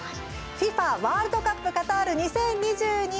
ワールドカップカタール２０２２。